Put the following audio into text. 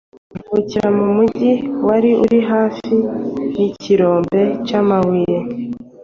avukira mu Mujyi wari uri hafi y’ikirombe cy’amabuye